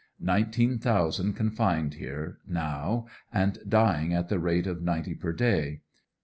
Nineteen thousand confined here now and dying at the rate of ninety per day.